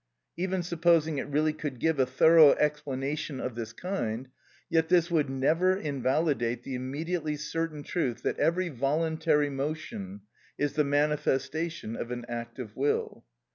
p. 153), even supposing it really could give a thorough explanation of this kind, yet this would never invalidate the immediately certain truth that every voluntary motion (functiones animales) is the manifestation of an act of will.